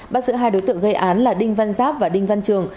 bắt giữ hai đối tượng gây án là đinh văn giáp và đinh văn trường